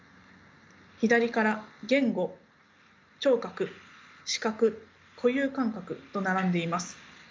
左から言語聴覚視覚固有感覚と並んでいます。